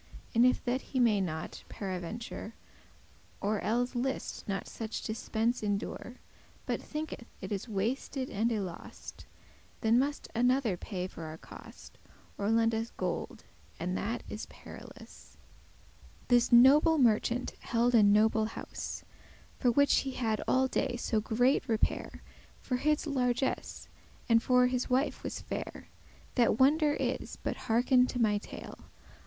And if that he may not, paraventure, Or elles list not such dispence endure, But thinketh it is wasted and y lost, Then must another paye for our cost, Or lend us gold, and that is perilous. This noble merchant held a noble house; For which he had all day so great repair,* *resort of visitors For his largesse, and for his wife was fair, That wonder is; but hearken to my tale.